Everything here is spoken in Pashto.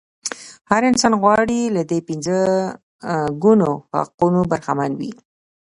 هر انسان غواړي له دې پنځه ګونو حقوقو برخمن وي.